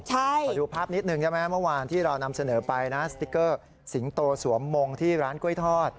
ขอดูภาพนิดหนึ่งได้ไหมเมื่อวานที่เรานำเสนอไปนะสติ๊กเกอร์สิงโตสวมมงที่ร้านกล้วยทอด